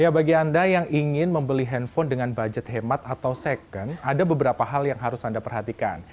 ya bagi anda yang ingin membeli handphone dengan budget hemat atau second ada beberapa hal yang harus anda perhatikan